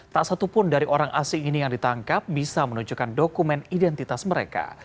tak satupun dari orang asing ini yang ditangkap bisa menunjukkan dokumen identitas mereka